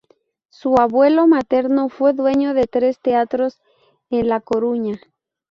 Su abuelo materno fue dueño de tres teatros en La Coruña.